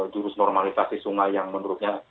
jurus normalisasi sungai yang menurutnya